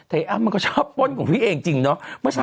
แต่อ้ำมันก็ชอบป้นของพี่เองจริงเนาะ